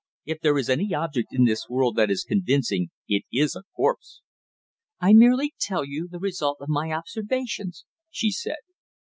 If there is any object in this world that is convincing it is a corpse." "I merely tell you the result of my observations," she said.